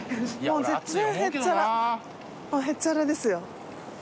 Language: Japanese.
もうへっちゃらですよ。